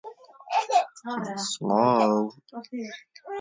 مامۆستا سەعید جەمیلێکی پیرمان لەگەڵ بوو هەر دەیگوت: